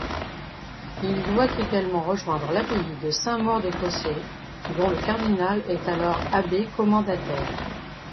Il doit également rejoindre l'abbaye de Saint-Maur-des-Fossés, dont le cardinal est alors abbé commendataire.